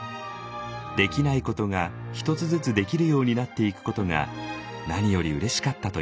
できないことが一つずつできるようになっていくことが何よりうれしかったといいます。